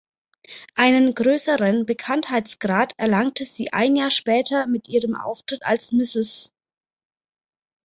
Einen größeren Bekanntheitsgrad erlangte sie ein Jahr später mit ihrem Auftritt als Mrs.